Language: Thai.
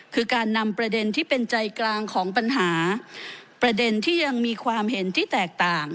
คือการนำประเด็นที่เป็นใจกลางของปัญหาประเด็นที่ยังมีความเห็นที่แตกต่าง